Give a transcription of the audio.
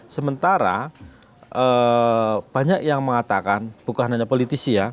sementara banyak yang mengatakan bukan hanya politisi ya